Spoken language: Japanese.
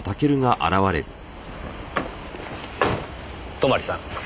泊さん。